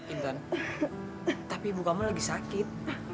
intan tapi ibu kamu lagi sakit